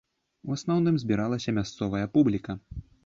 У асноўным збіралася мясцовая публіка.